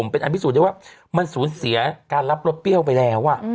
เป็นอันพิสูจนได้ว่ามันสูญเสียการรับรสเปรี้ยวไปแล้ว